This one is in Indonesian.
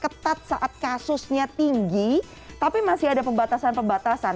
ketat saat kasusnya tinggi tapi masih ada pembatasan pembatasan